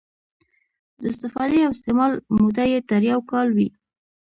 د استفادې او استعمال موده یې تر یو کال وي.